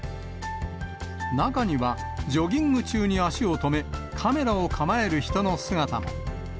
中にはジョギング中に足を止め、カメラを構える人の姿も。